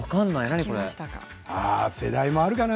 世代もあるかな。